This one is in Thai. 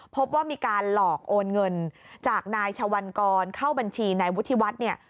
พบว่ามีการหลอกโอนเงินจากนายชวัลกรเข้าบัญชีนายวุฒิวัฒน์เนี่ย